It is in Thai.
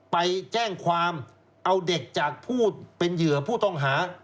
ไปแจ้งความเอาเด็กจากผู้เป็นเหยื่อผู้ต้องหา